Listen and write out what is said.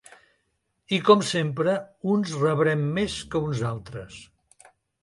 I, com sempre, uns rebrem més que uns altres.